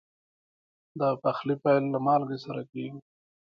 د پخلي پیل له مالګې سره کېږي.